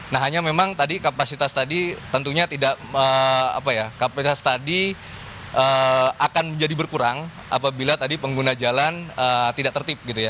nah hanya memang kapasitas tadi tentunya tidak kapasitas tadi akan menjadi berkurang apabila tadi pengguna jalan tidak tertip